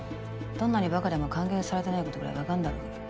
どんなにバカでも歓迎されてないことぐらい分かんだろうが。